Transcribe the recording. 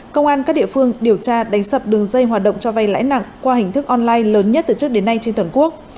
công an các địa phương điều tra đánh sập đường dây hoạt động cho vay lãi nặng qua hình thức online lớn nhất từ trước đến nay trên toàn quốc